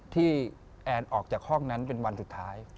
แอนออกจากห้องนั้นเป็นวันสุดท้าย